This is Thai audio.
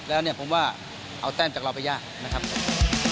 แล้วผมว่าเอาแท่มจากเราไปย่างนะครับ